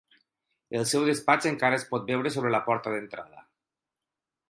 El seu despatx encara es pot veure sobre la porta d'entrada.